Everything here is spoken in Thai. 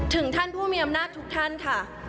ท่านผู้มีอำนาจทุกท่านค่ะ